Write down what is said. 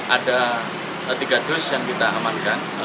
ada tiga dus yang kita amankan